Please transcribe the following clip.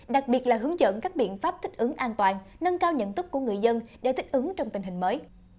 đặc biệt là hướng dẫn các biện pháp thích ứng an toàn nâng cao nhận thức của người dân để thích ứng trong tình hình mới